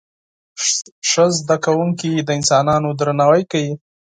ښه زده کوونکي د انسانانو درناوی کوي.